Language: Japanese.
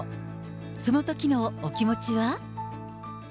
そのときのお気持ちは。